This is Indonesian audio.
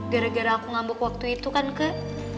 gara gara aku ngambek waktu itu kan kak